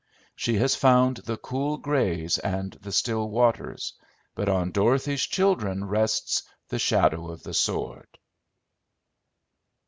She has found the cool grays and the still waters; but on Dorothy's children rests the "Shadow of the Sword."